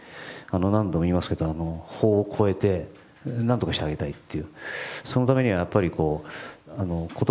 何度も言いますが法を超えて何とかしてあげたいと。